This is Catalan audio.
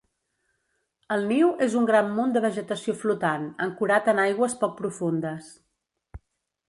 El niu és un gran munt de vegetació flotant, ancorat en aigües poc profundes.